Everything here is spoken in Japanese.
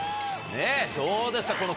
ねっどうですか？